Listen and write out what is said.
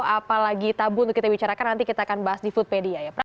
apalagi tabu untuk kita bicarakan nanti kita akan bahas di foodpedia ya